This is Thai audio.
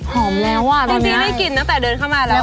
แล้วอ่ะจริงนี่กินตั้งแต่เดินเข้ามาแล้ว